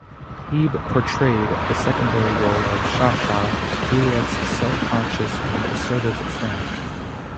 Hebe portrayed the secondary role of Sha Sha, Juliet's self-conscious and assertive friend.